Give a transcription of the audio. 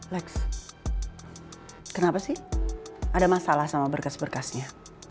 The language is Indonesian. lex kenapa sih ada masalah sama berkas berkasnya